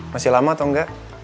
masih lama atau enggak